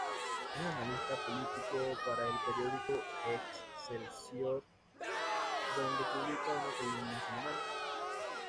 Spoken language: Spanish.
Es analista político para el periódico Excelsior, donde publica una columna semanal.